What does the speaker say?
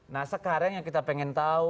nah sekarang yang kita pengen tahu